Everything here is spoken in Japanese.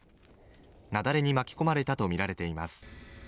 雪崩に巻き込まれたと見られています。